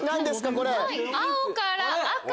これ。